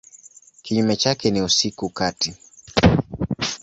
Kinyume chake ni usiku kati.